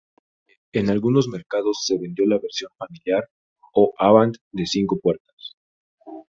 En algunos mercados se vendió la versión familiar o "Avant" de cinco puertas.